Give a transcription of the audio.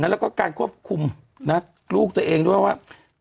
แล้วก็การควบคุมลูกตัวเองด้วยว่า